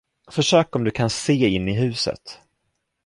Försök om du kan se in i huset!